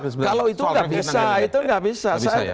kalau itu nggak bisa